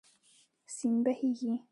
سیند بهېږي.